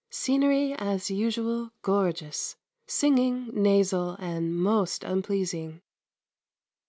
Scenery as usual gorgeous, singing nasal and most unpleasing.